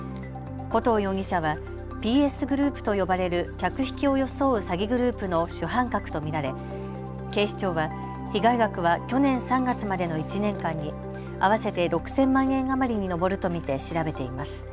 古藤容疑者はＰＳグループと呼ばれる客引きを装う詐欺グループの主犯格と見られ警視庁は被害額は去年３月までの１年間に合わせて６０００万円余りに上ると見て調べています。